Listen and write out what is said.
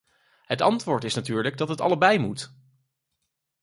Het antwoord is natuurlijk dat het allebei moet.